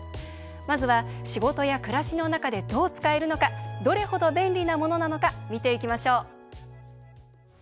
まずは、仕事や暮らしの中でどう使えるのかどれ程、便利なものなのか見ていきましょう。